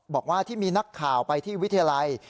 บอกว่าที่มีนักข่าวไปที่วิทยาลัย